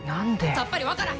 さっぱり分からへん！